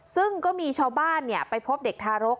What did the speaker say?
ซึ่งก็มีชาวบ้านไปพบเด็กทารก